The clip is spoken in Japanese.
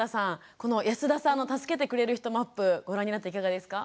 この安田さんの「助けてくれる人マップ」ご覧になっていかがですか？